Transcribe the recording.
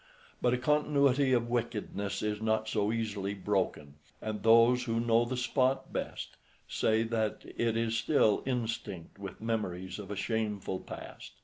But a continuity of wickedness is not so easily broken, and those who know the spot best say that it is still instinct with memories of a shameful past.